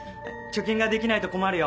貯金ができないと困るよ